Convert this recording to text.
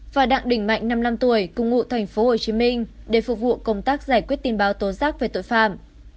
và đặng đình mạnh năm năm tuổi cùng ngụ tp hcm để phục vụ công tác giải quyết tin báo tố giác về tội phạm